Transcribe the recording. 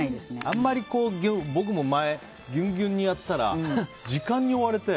あんまり僕も前はぎゅうぎゅうにやったら時間に追われて。